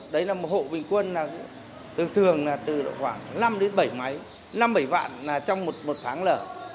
đấy là một hộ bình quân thường thường là từ khoảng năm đến bảy máy năm bảy vạn trong một tháng lở